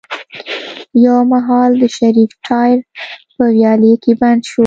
يو مهال د شريف ټاير په ويالې کې بند شو.